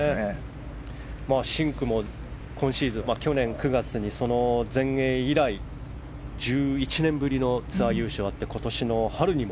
シンクも今シーズン去年９月にその全英以来１１年ぶりのツアー優勝があって今年の春にも。